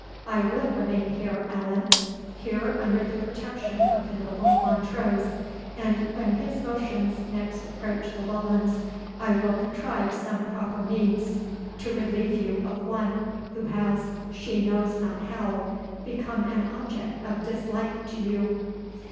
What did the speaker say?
I will remain here, Allan here under the protection of the noble Montrose; and when his motions next approach the Lowlands, I will contrive some proper means to relieve you of one, who has, she knows not how, become an object of dislike to you."